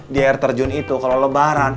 di air terjun itu kalau lebaran